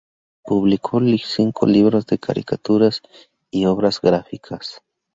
Publicó cinco libros de caricaturas y obras gráficas.